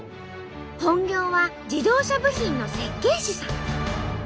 本業は自動車部品の設計士さん。